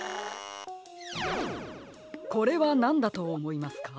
これはなんだとおもいますか？